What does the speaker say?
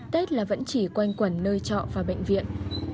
tết là vẫn chỉ quanh quẩn nơi trọ và bệnh viện